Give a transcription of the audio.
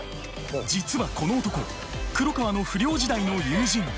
実はこの男黒川の不良時代の友人。